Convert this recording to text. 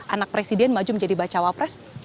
anak presiden maju menjadi bacawa pres